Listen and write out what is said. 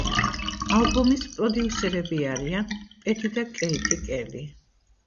ალბომის პროდიუსერები არიან პედი და კეიტი კელი.